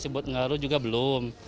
buat ngaruh juga belum